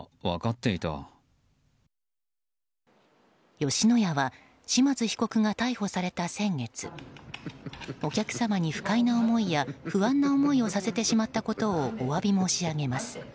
吉野家は嶋津被告が逮捕された先月お客様に不快な思いや不安な思いをさせてしまったことを詫び申し上げます。